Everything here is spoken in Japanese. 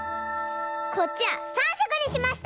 こっちは３しょくにしました！